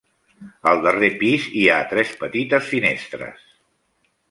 Al darrer pis hi ha tres petites finestres.